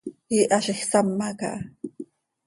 Iiha z iij sama caha.